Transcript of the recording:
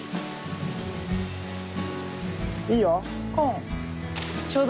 いいよ。